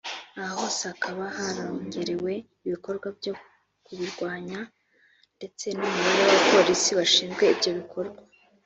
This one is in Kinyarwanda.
aha hose hakaba harongerewe ibikorwa byo kubirwanya ndetse n’umubare w’abapolisi bashinzwe ibyo bikorwa